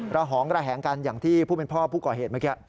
หองระแหงกันอย่างที่ผู้เป็นพ่อผู้ก่อเหตุเมื่อกี้